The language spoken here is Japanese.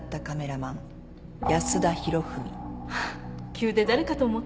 急で誰かと思った。